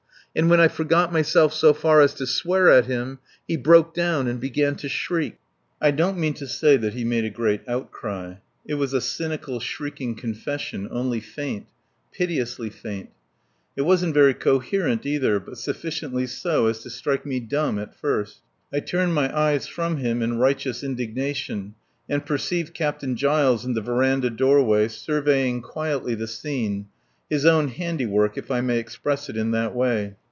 And when I forgot myself so far as to swear at him he broke down and began to shriek. I don't mean to say that he made a great outcry. It was a cynical shrieking confession, only faint piteously faint. It wasn't very coherent either, but sufficiently so to strike me dumb at first. I turned my eyes from him in righteous indignation, and perceived Captain Giles in the verandah doorway surveying quietly the scene, his own handiwork, if I may express it in that way.